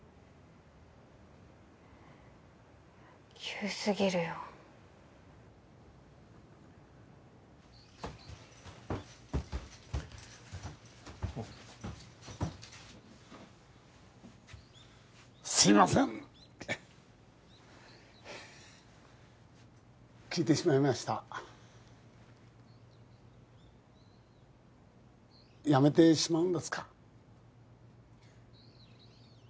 急すぎるよあっすいません聞いてしまいました辞めてしまうんですか？